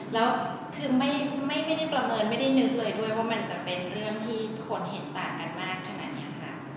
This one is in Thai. แล้วคือไม่ได้ประเมินไม่ได้นึกเลยด้วยว่ามันจะเป็นเรื่องที่คนเห็นต่างกันมากขนาดนี้ค่ะ